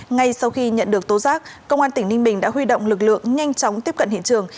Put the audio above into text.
ngay sau khi nhận được tố giác công an tỉnh ninh bình đã huy động lực lượng nhanh chóng tiếp cận hiện trường